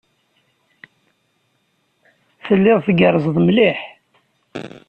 Telliḍ tgerrzeḍ mliḥ.